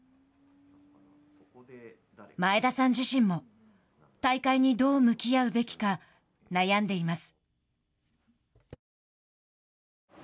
前田さん自身も大会にどう向き合うべきか悩んでいます。